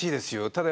ただ